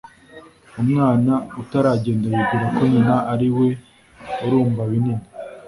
Umwana utaragenda yibwira ko nyina ariwe urumba binini.